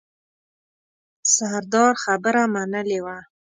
سردار خبره منلې وه.